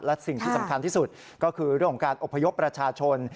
และสิ่งที่สำคัญที่สุดก็คือเรื่องของการอบพยพประชาชน